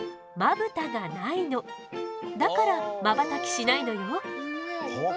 だからまばたきしないのよ。